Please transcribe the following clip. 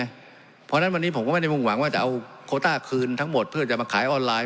เพราะฉะนั้นวันนี้ผมก็ไม่ได้มุ่งหวังว่าจะเอาโคต้าคืนทั้งหมดเพื่อจะมาขายออนไลน์